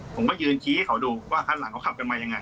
ผมก็ยืนชี้ให้เขาดูว่าข้างหลังเขาขับกันมายังไง